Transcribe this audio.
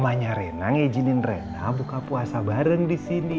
omanya rena ngeizinin rena buka puasa bareng disini